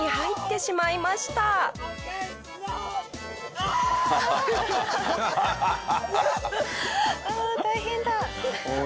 ああ大変だ。